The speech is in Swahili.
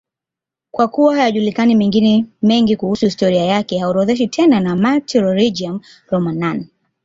Kwa kuwa hayajulikani mengine mengi kuhusu historia yake, haorodheshwi tena na Martyrologium Romanum.